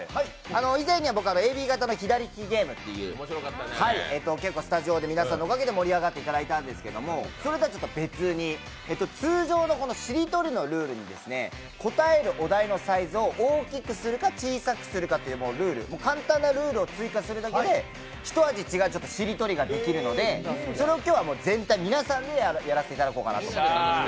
以前、僕は「ＡＢ型の左利きゲーム」という結構スタジオで皆さんのおかげで盛り上がっていただいたんですけれども、それとは別に通常のしりとりのルールに答えるお題のサイズを大きくするか小さくするかというルール、簡単なルールを追加するだけでひと味違うしりとりができるので今日は全体、皆さんでやらせていただこうかなと思って。